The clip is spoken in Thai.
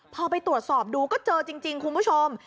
พอไปตรวจสอบดูก็เจอจริงคุณผู้ชม